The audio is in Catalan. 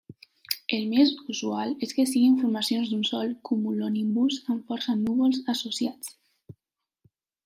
El més usual és que siguin formacions d'un sol cumulonimbus amb força núvols associats.